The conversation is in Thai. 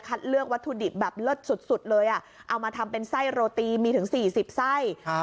เลือกวัตถุดิบแบบเลิศสุดเลยอ่ะเอามาทำเป็นไส้โรตีมีถึง๔๐ไส้